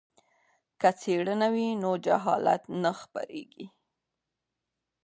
که څیړنه وي نو جهالت نه خپریږي.